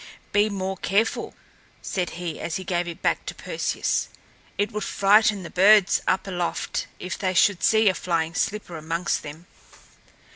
"Be more careful," said he as he gave it back to Perseus. "It would frighten the birds up aloft if they should see a flying slipper amongst them."